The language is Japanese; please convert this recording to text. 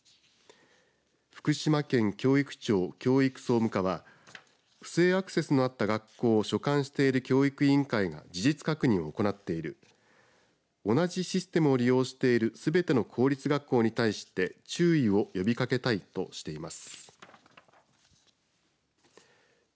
福島県局庁教育総務課は不正アクセスのあった学校を所管している教育委員会が事実確認を行っている同じシステムを利用しているすべての公立学校に対して注意を呼びかけたいとしています。